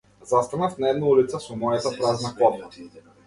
Застанав на една улица со мојата празна кофа.